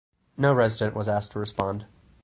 No resident was asked to respond.